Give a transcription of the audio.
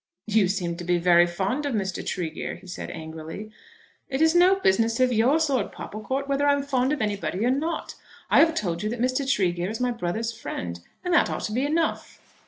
"You seem to be very fond of Mr. Tregear," he said angrily. "It is no business of yours, Lord Popplecourt, whether I am fond of anybody or not. I have told you that Mr. Tregear is my brother's friend, and that ought to be enough."